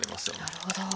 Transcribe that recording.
なるほど。